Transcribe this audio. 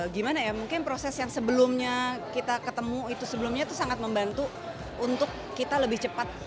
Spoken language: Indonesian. gimana ya mungkin proses yang sebelumnya kita ketemu itu sebelumnya itu sangat membantu untuk kita lebih cepat